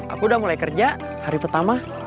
aku udah mulai kerja hari pertama